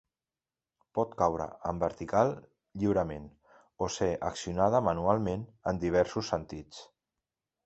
Pot caure en vertical lliurement o ser accionada manualment en diversos sentits.